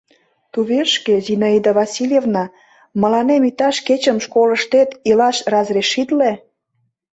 — Тувешке, Зинаида Васильевна, мыланем иктаж кечым школыштет илаш разрешитле.